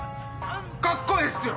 カッコええっすよ！